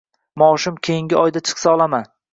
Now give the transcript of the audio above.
Maoshim keyingi oyda chiqsa olaman